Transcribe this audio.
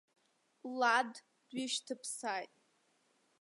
Лад дҩышьҭԥсааит.